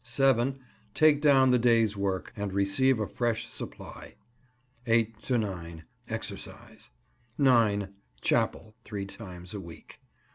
7 „ —Take down the day's work, and receive a fresh supply. 8 to 9 „ —Exercise. 9 „ —Chapel (three times a week).